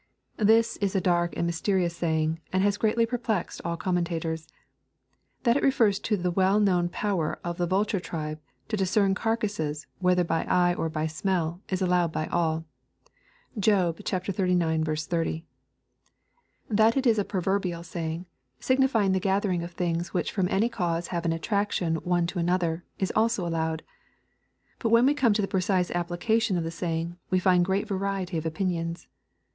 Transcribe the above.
This is a dark and mys terious saying and has greatly perplexed all commentators. That it refers to the well known power of the vulture tribe, to discern carcases, whether by eye or by smell, is allowed by alL (Job xxxix. 30.) — That it is a proverbial saying, signifying the gather ing of things which from any cause have an attraction one to an other, is also allowed. — But when we come to the precise applica tion of the saying, we find great variety of opinions.